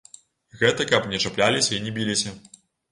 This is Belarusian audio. Гэта каб не чапляліся і не біліся.